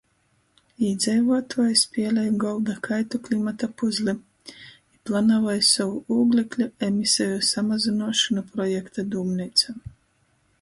Īdzeivuotuoji spielej golda kaitu "Klimata puzle" i planavoj sovu ūglekļa emiseju samazynuošonu projekta dūmneicā.